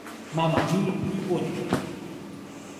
mama mi li olin e mi.